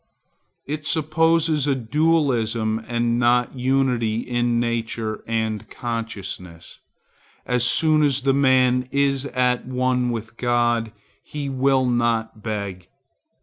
It supposes dualism and not unity in nature and consciousness. As soon as the man is at one with God, he will not beg.